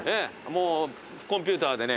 もうコンピューターでね。